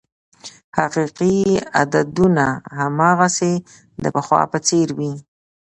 حقیقي عددونه هماغسې د پخوا په څېر وې.